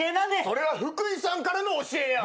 それは福井さんからの教えや。